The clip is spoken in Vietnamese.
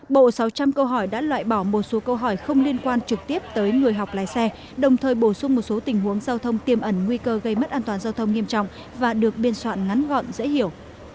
bộ sáu trăm linh câu hỏi đã loại bỏ một số câu hỏi không liên quan trực tiếp tới người học lái xe đồng thời bổ sung một số tình huống giao thông tiêm ẩn nguy cơ gây mất an toàn giao thông nghiêm trọng và được biên soạn ngắn gọn dễ hiểu